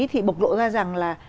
thì bộc lộ ra rằng là